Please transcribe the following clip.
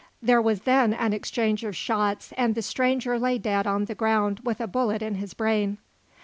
There was then an exchange of shots and the stranger lay dead on the ground with a bullet in his brain.